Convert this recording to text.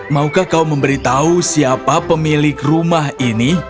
maukah kau memberitahu siapa pemilik rumah ini